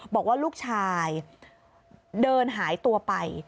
บอกว่าลูกชายเดินหายตัวไป